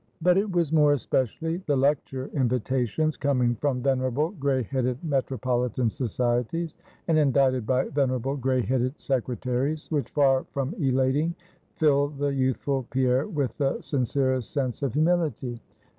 But it was more especially the Lecture invitations coming from venerable, gray headed metropolitan Societies, and indited by venerable gray headed Secretaries, which far from elating filled the youthful Pierre with the sincerest sense of humility.